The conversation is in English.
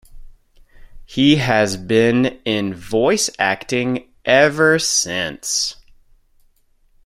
He has been in voice acting ever since.